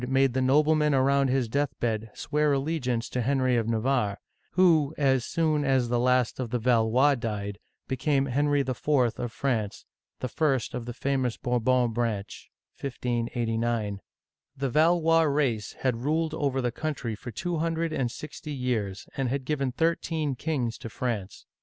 made the noblemen around his deathbed swear allegiance to Henry of Navarre, who, as soon as the last of the Valois died, became Henry IV. of France, the first of the famous Bourbon branch (1589). The Valois race had ruled over the country for two hundred and sixty years, and had given thirteen kings to France.